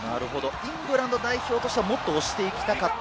イングランド代表としてはもっと押していきたかった。